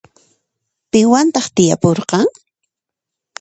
Piwantaq tiyapurqan?